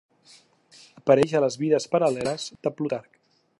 Apareix a les Vides paral·leles de Plutarc.